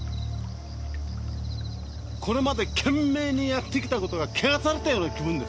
これまで懸命にやってきたことが汚されたような気分です。